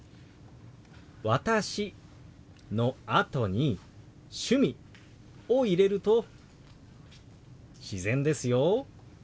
「私」のあとに「趣味」を入れると自然ですよ。